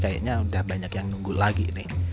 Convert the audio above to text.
kayaknya udah banyak yang nunggu lagi nih